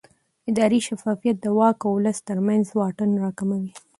اداري شفافیت د واک او ولس ترمنځ واټن راکموي